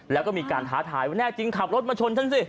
แล้วก็มีการท้าทายว่าแน่จริงขับรถมาชนฉันสิ